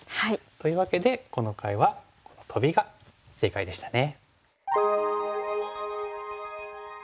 というわけでこの回はこのトビが正解でしたね。